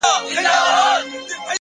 دا ستا شعرونه مي د زړه آواز دى ـ